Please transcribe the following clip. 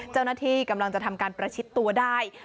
เจ้าหน้าที่กำลังจะทำการประชิดตัวได้